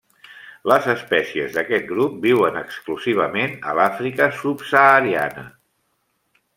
Les espècies d'aquest grup viuen exclusivament a l'Àfrica subsahariana.